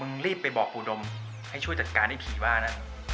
มึงรีบไปบอกกูดมให้ช่วยจัดการไอ้ผีว่านั้น